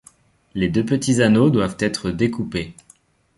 Les deux petits anneaux doivent être découpés.